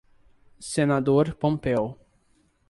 Senador Pompeu